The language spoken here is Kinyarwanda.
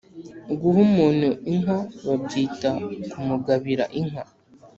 Guha umuntu inka babyita kumugabira inka